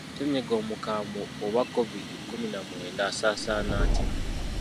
Ssennyiga omukambwe oba Kovidi kkumi na mwenda asaasaana atya?